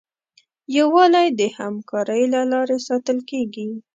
یووالی د همکارۍ له لارې ساتل کېږي.